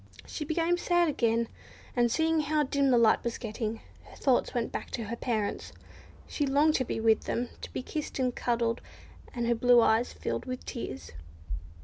She became sad again; and seeing how dim the light was getting, her thoughts went back to her parents. She longed to be with them to be kissed and cuddled, and her blue eyes filled with tears.